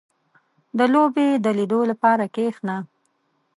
• د لوبې د لیدو لپاره کښېنه.